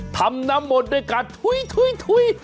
ทำน้ำหมดได้การถุยถุย